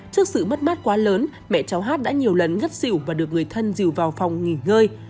trước sự mất mát quá lớn mẹ cháu hát đã nhiều lần ngất xỉu và được người thân dìu vào phòng nghỉ ngơi